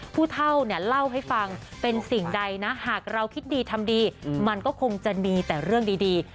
ผู้เท่าเนี่ยเล่าให้ฟังเป็นสิ่งใดนะหากเราคิดดีทำดีมันก็คงจะมีแต่เรื่องดี